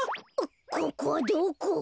ここはどこ？